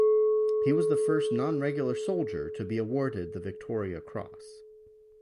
He was the first non-regular soldier to be awarded the Victoria Cross.